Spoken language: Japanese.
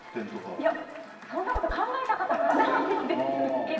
いやそんなこと考えたこともないですけど。